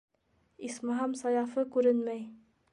Исмаһам, Саяфы күренмәй.